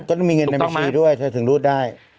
ก็มีเงินในบัญชีด้วยเธอถึงรูดได้